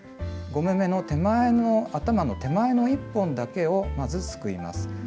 ５目めの頭の手前の１本だけをまずすくいます。